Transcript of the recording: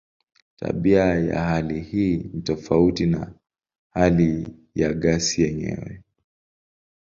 Tabia ya hali hii ni tofauti na hali ya gesi yenyewe.